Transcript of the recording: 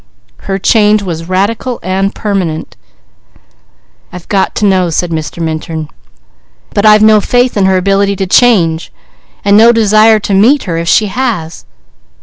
"Her change was radical and permanent." "I've got to know," said Mr. Minturn, "but I've no faith in her ability to change, and no desire to meet her if she has."